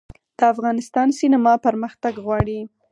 د افغانستان سینما پرمختګ غواړي